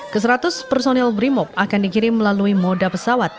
ke seratus personil brimop akan dikirim melalui moda pesawat